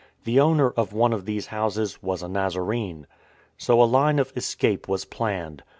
The owner of one of these houses was a Nazarene. So a line of escape was planned.